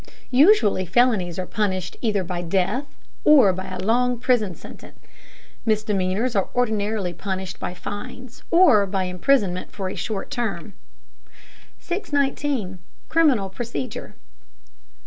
Usually felonies are punished either by death, or by a long prison sentence. Misdemeanors are ordinarily punished by fines or by imprisonment for a short term. 619. CRIMINAL PROCEDURE.